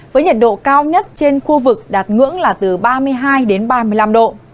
với nhiệt độ cao nhất trên khu vực đạt ngưỡng là từ ba mươi hai đến ba mươi năm độ